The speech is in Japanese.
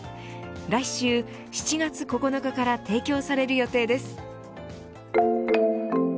来週７月９日から提供される予定です。